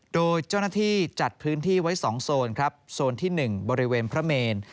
โดยเจ้าหน้าที่จัดพื้นที่ไว้๒โซนครับโซนที่๑บริเวณพระเมน